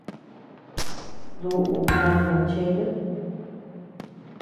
Duʼu ná machetem?